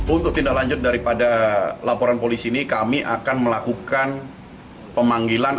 untuk tindak lanjut daripada laporan polisi ini kami akan melakukan pemanggilan